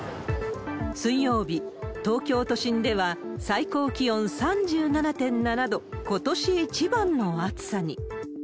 水曜日、東京都心では最高気温３７．７度、ことし一番の暑さに。